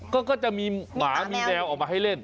ก็จะมีหมามีแมวออกมาให้เล่น